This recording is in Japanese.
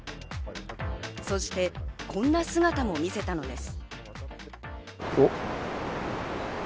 そしてこんな姿も見せたのです。